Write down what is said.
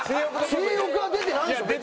性欲は出てないでしょ別に。